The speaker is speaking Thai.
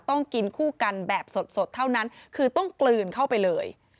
ต้องกินคู่กันแบบสดเท่านั้นคือต้องกลืนเข้าไปเลย